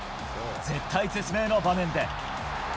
絶体絶命の場面で。